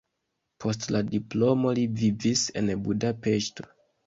Post la diplomo li vivis en Budapeŝto.